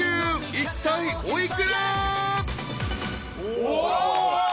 ［いったいお幾ら？］